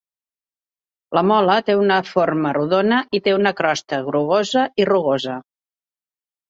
La mola té una forma rodona i té una crosta grogosa i rugosa.